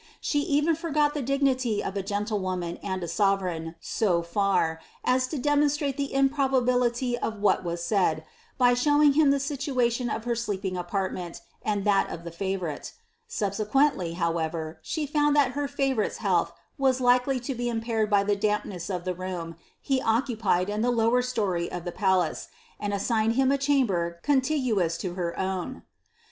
She even forgot the dignity of a gentlewoman and a sovereign a far, as to demonstrate the improbability of what was said, by showiq him the situation of her sleeping apartment and that of the favonrilt Subsequently, however, she found that her favourite's health was likd; to be impaired by the dampness of the room he occupied in the lows story of ihe palace, and assigned him a chamber contiguous to Ik own.'